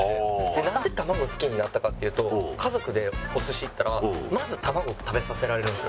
なんで玉子好きになったかっていうと家族でお寿司行ったらまず玉子食べさせられるんですよ。